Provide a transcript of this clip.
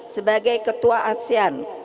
sebagai ketua asean